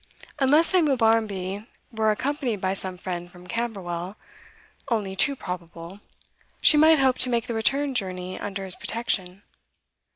Unless Samuel Barmby were accompanied by some friend from Camberwell, only too probable, she might hope to make the return journey under his protection.